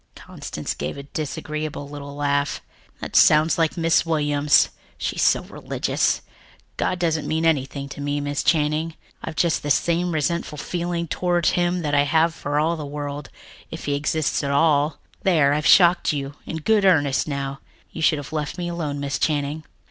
Constance gave a disagreeable little laugh. "That sounds like Miss Williams she is so religious. God doesn't mean anything to me, Miss Channing. I've just the same resentful feeling toward him that I have for all the world, if he exists at all. There, I've shocked you in good earnest now. You should have left me alone, Miss Channing."